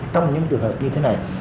trong những trường hợp như thế này